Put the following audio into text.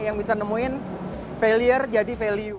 yang bisa nemuin failure jadi value